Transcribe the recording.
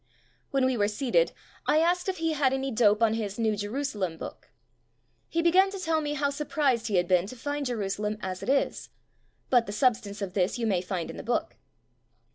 When we were seated, I asked if he had any dope on his "New Jerusalem" book. He began to tell me how sur prised he had been to find Jerusalem as it is. But the substance of this you may find in the book.